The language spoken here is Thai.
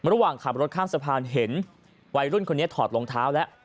ระหว่างขับรถข้ามสะพานเห็นวัยรุ่นคนนี้ถอดรองเท้าแล้ว